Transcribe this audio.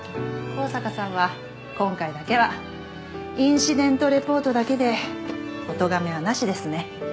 向坂さんは今回だけはインシデントレポートだけでおとがめはなしですね。